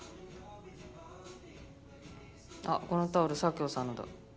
あっこのタオル左京さんのだ。